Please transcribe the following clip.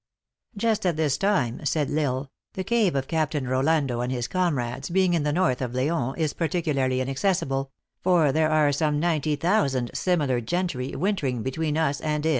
"Just at this time," said L Isle, "the cave of Cap tain Rolando and his comrades, being in the north of Leon, is particularly inaccessible, for there are some ninety thousand similar gentry wintering between us and it."